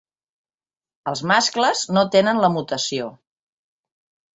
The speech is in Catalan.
Els mascles no tenen la mutació.